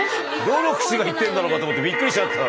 どの口が言ってんだろうかと思ってびっくりしちゃった。